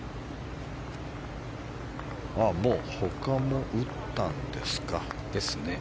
もう他も打ったんですか。